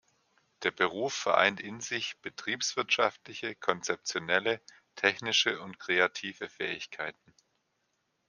Der Beruf vereint in sich betriebswirtschaftliche, konzeptionelle, technische und kreative Fähigkeiten.